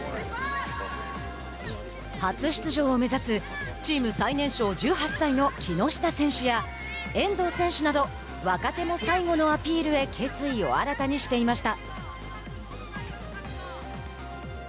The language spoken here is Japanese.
初出場を目指す、チーム最年少１８歳の木下選手や遠藤選手など若手も最後のアピールへ決意を新たにしていました。